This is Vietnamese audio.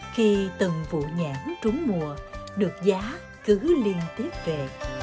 khi từng vụ nhãn trúng mùa được giá cứ liên tiếp về